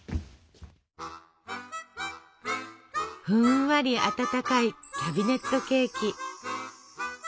ふんわり温かいキャビネットケーキ。